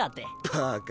バカ。